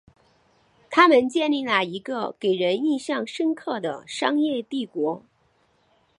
他们建立了一个给人印象深刻的商业帝国。